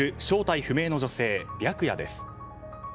正体不明の女性、白夜です。